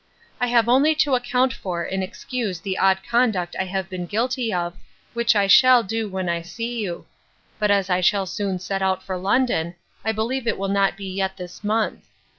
I have only to account for and excuse the odd conduct I have been guilty of, which I shall do when I see you: but as I shall soon set out for London, I believe it will not be yet this month.